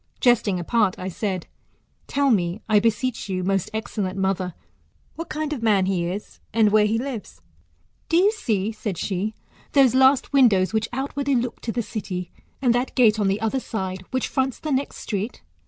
Jesting apart, I said, tell me, I beseech you, most excellent mother, what kind of man he is, and where he lives ? po you see, said she, those last windows which outwardly look to the city, and that gate on the other side, which fronts the next street